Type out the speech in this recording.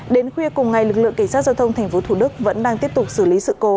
đến khuya cùng ngày lực lượng kỳ sát giao thông thành phố thủ đức vẫn đang tiếp tục xử lý sự cố